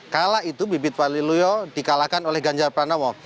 kala itu bibit waliloyo dikalahkan oleh ganjar pranowo